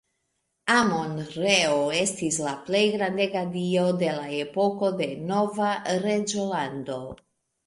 Amon-Reo estis la plej grandega dio de la epoko de Nova Reĝolando.